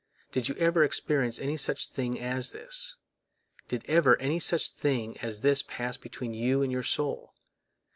Did you ever experience any such thing as this? Did ever any such thing as this pass between God and your soul?